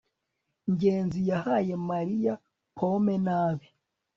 ngenzi yahaye mariya pome nabi